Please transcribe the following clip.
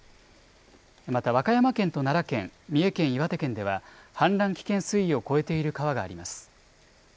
また和歌山県と奈良県、三重県、岩手県では氾濫危険水位を超えている川があります。